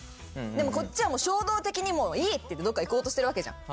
でもこっちは衝動的に「もういい！」ってどっか行こうとしてるわけじゃん。